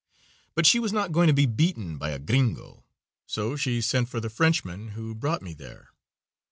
But she was not going to be beaten by a "gringo," so she sent for the Frenchman who brought me there.